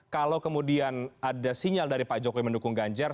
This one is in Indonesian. kalau kemudian ada sinyal dari pak jokowi mendukung ganjar